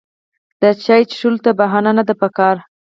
د چای څښلو ته بهانه نه ده پکار.